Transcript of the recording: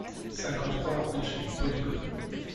cinquante-trois route du Polygone